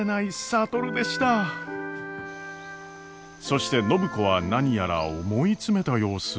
そして暢子は何やら思い詰めた様子。